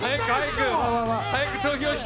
早く投票して。